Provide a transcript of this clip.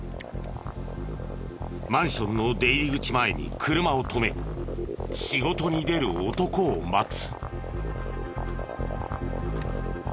マンションの出入り口前に車を止め仕事に出る男を待つ。